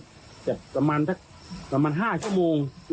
และก็คือว่าถึงแม้วันนี้จะพบรอยเท้าเสียแป้งจริงไหม